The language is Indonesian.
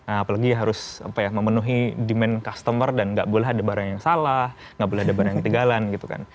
apalagi harus memenuhi demand customer dan nggak boleh ada barang yang salah nggak boleh ada barang yang ketinggalan gitu kan